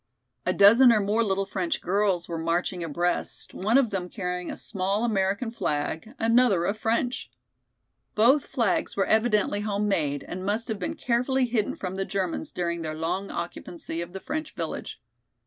A dozen or more little French girls were marching abreast, one of them carrying a small American flag, another a French. Both flags were evidently home made and must have been carefully hidden from the Germans during their long occupancy of the French village.